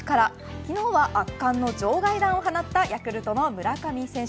昨日は圧巻の場外弾を放ったヤクルトの村上選手。